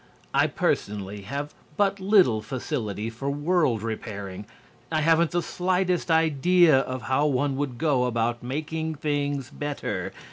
I personally have but little facility for world repairing. I haven't the slightest idea of how one would go about making things better.